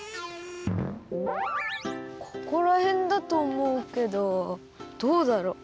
ここらへんだとおもうけどどうだろう？